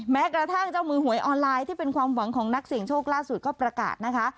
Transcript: แม้กระทั่งเจ้ามือหวยออนไลน์ที่เป็นความหวังของนักเสี่ยงโชคล่าสุดก็ประกาศนะคะ